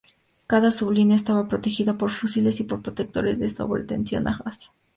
Cada sub-línea estaba protegida por fusibles y por protectores de sobretensión a gas.